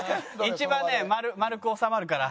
一番ね丸く収まるから。